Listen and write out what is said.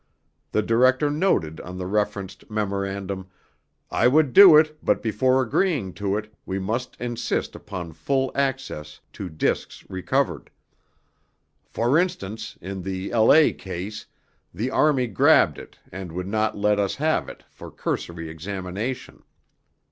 The Director noted on the referenced memorandum, "I would do it but before agreeing to it we must insist upon full access to discs recovered. For instance in the La. case the Army grabbed it and would not let us have it for cursory examination."